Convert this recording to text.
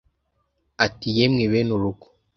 ati yemwe bene urugo